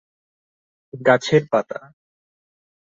গাছের পাতা।